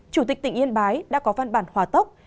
chủ tịch tỉnh yên bái đã có văn bản hòa tốc